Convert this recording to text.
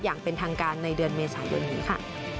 อย่างเป็นทางการในเดือนเมษายนนี้ค่ะ